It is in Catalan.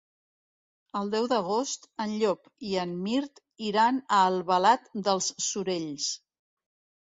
El deu d'agost en Llop i en Mirt iran a Albalat dels Sorells.